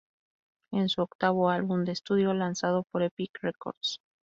Es su octavo álbum de estudio lanzado por Epic Records.